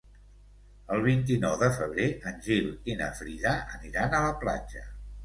El vint-i-nou de febrer en Gil i na Frida aniran a la platja.